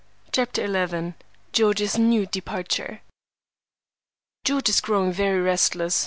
CHAPTER XI. GEORGE'S NEW DEPARTURE. "George is growing very restless.